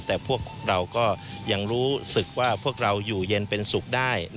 แต่พวกเราก็ยังรู้สึกว่าพวกเราอยู่เย็นเป็นสุขได้